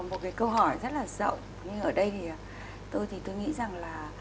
một cái câu hỏi rất là rộng nhưng ở đây thì tôi nghĩ rằng là